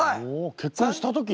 結婚した時に？